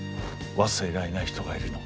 「忘れられない人がいるの」。